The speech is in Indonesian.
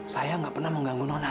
saya nggak pernah mengganggu nona